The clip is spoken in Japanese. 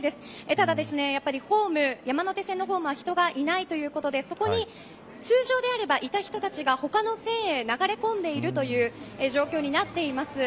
ただ、やっぱり山手線のホームは人がいないということでそこに通常であればいた人たちが他の線へ流れ込んでいるという状況になっています。